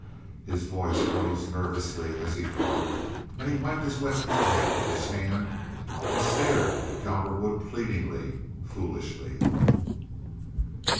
His voice rose nervously as he talked, and he wiped his wet forehead with his hand and stared at Cowperwood pleadingly, foolishly.